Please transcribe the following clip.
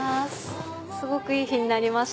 すごくいい日になりました。